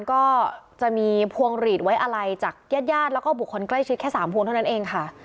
ก็จะมีพวงหลีดไว้อะไรจากญาติญาติแล้วก็บุคคลใกล้ชิดแค่๓พวงเท่านั้นเองค่ะ